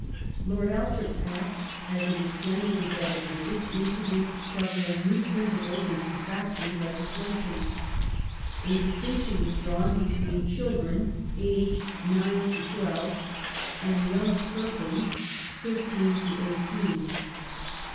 Lord Althorp's Act, as it is generally designated, introduced several new principles into factory legislation. A distinction was drawn between " children " aged nine to twelve, and young pei*sons" (thirteen to eighteen).